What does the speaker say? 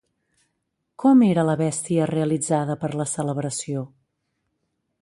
Com era la bèstia realitzada per la celebració?